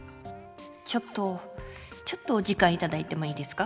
ちょっとちょっとお時間いただいてもいいですか？